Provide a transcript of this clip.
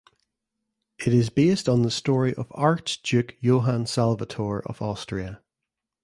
It is based on the story of Archduke Johann Salvator of Austria.